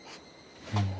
うん。